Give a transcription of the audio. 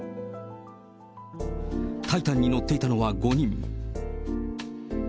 タイタンに乗っていたのは５人。